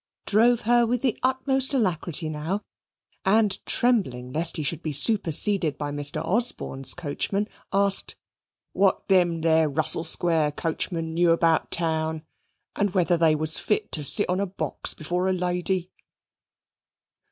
drove her with the utmost alacrity now, and trembling lest he should be superseded by Mr. Osborne's coachman, asked "what them there Russell Square coachmen knew about town, and whether they was fit to sit on a box before a lady?"